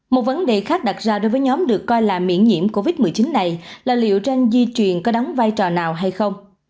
một vấn đề khác đặt ra đối với nhóm được coi là miễn nhiễm covid một mươi chín này là liệu tranh di truyền có đóng vai trò nào hay không